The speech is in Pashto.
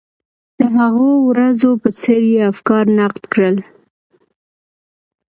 د هغو ورځو په څېر یې افکار نقد کړل.